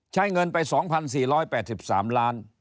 ใช้เงินไป๒๔๘๓ล้าน